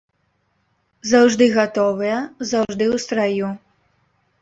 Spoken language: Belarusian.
Заўжды гатовыя, заўжды ў страю.